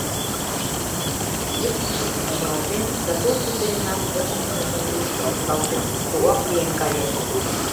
Вес пӱчкышым руалтен да тошто семынак кокымшыжын вуйышкыжо кудалтен — тугак лийын каен.